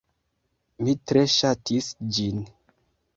Mi tre ŝatis ĝin